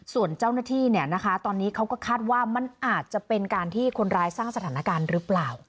ส่วนเจ้าหน้าที่ตอนนี้เขาก็คาดว่ามันอาจจะเป็นการที่คนร้ายสร้างสถานการณ์หรือเปล่า